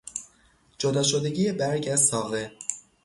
جدا شدگی برگ از ساقه